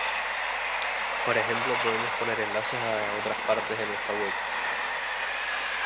Por ejemplo podemos poner enlaces a otras partes de nuestra Web.